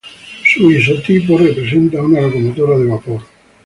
Su isotipo representa a una locomotora de vapor.